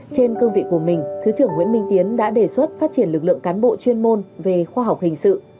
trên cương vị của mình thứ trưởng nguyễn minh tiến đã đề xuất phát triển lực lượng cán bộ chuyên môn về khoa học hình sự